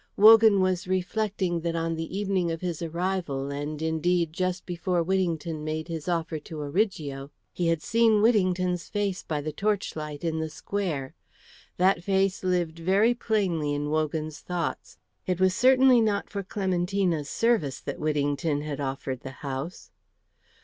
Wogan was reflecting that on the evening of his arrival, and indeed just before Whittington made his offer to Origo, he had seen Whittington's face by the torchlight in the square. That face lived very plainly in Wogan's thoughts. It was certainly not for Clementina's service that Whittington had offered the house.